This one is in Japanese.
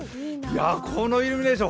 このイルミネーション